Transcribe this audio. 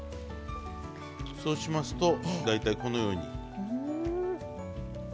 そうしますと大体このように。